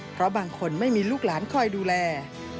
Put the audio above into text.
เพราะบางคนไม่มีลูกหลานคอยดูแล